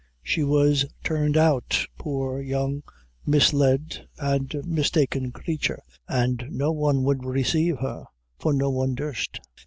She was turned out, poor, young, misled and mistaken crature, and no one would resave her, for no one durst.